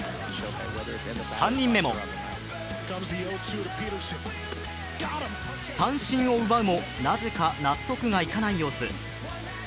３人目も三振を奪うもなぜか納得がいかない様子。